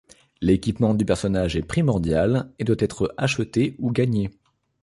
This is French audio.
L'équipement du personnage est primordial et doit être acheté ou gagné.